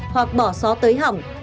hoặc bỏ xó tới hỏng